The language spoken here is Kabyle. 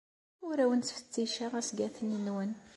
Ur awen-ttfetticeɣ asgaten-nwen.